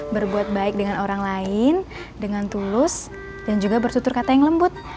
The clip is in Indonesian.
berbuat baik dengan orang lain dengan tulus dan juga bersutur kata yang lembut